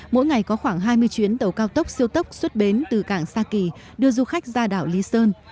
mỗi ngày có khoảng hai mươi chuyến tàu cao tốc siêu tốc xuất bến từ cảng sa kỳ đưa du khách ra đảo lý sơn